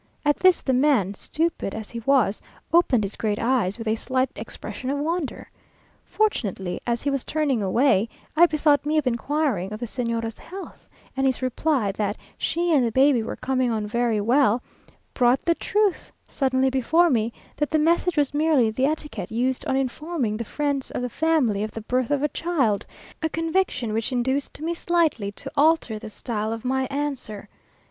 At this the man, stupid as he was, opened his great eyes with a slight expression of wonder. Fortunately, as he was turning away, I bethought me of inquiring of the Señora's health, and his reply, that "she and the baby were coming on very well," brought the truth suddenly before me, that the message was merely the etiquette used on informing the friends of the family of the birth of a child a conviction which induced me slightly to alter the style of my answer.